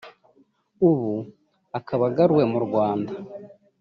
ubu akaba agaruwe mu Rwanda